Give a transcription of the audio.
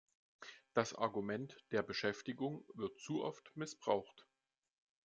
Das Argument der Beschäftigung wird zu oft missbraucht.